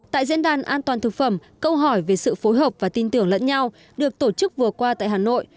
tại diễn đàn an toàn thực phẩm câu hỏi về sự phối hợp và tin tưởng lẫn nhau được tổ chức vừa qua tại hà nội